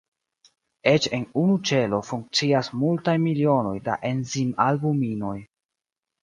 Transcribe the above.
Eĉ en unu ĉelo funkcias multaj milionoj da enzim-albuminoj.